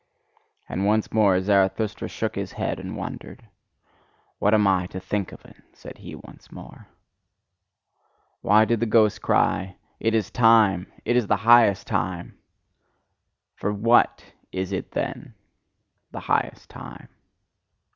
And once more Zarathustra shook his head and wondered. "What am I to think of it!" said he once more. "Why did the ghost cry: 'It is time! It is the highest time!' For what is it then the highest time?"